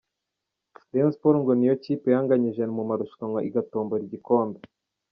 Rayons Sport ngo ni yo Kipe yanganyije mu marushanwa igatombora igikombe .